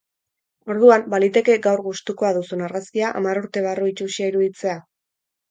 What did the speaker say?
Orduan, baliteke gaur gustukoa duzun argazkia hamar urte barru itsusia iruditzea?